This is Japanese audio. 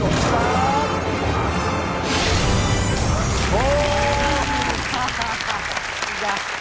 お！